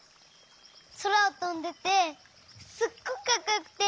そらをとんでてすっごくかっこよくて。